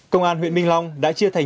công an huyện minh long đã chia thành